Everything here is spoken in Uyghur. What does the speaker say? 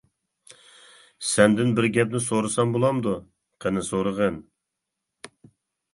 -سەندىن بىر گەپنى سورىسام بۇلامدۇ؟ -قېنى سورىغىن.